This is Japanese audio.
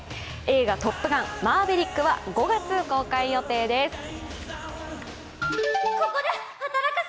映画「トップガンマーヴェリック」は５月公開予定です。